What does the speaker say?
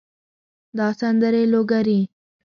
دا سندرې لوګري